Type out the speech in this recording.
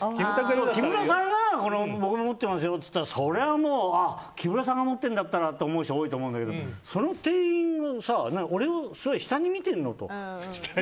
木村さんが僕も持ってますよって言ったら木村さんが持ってるんだったらと思う人多いと思うんだけど、その店員が俺をすごい下に見てんの？と。